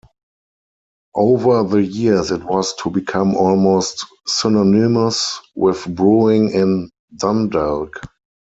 Over the years it was to become almost synonymous with brewing in Dundalk.